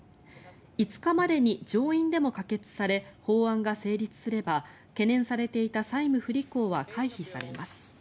５日までに上院でも可決され法案が成立すれば懸念されていた債務不履行は回避されます。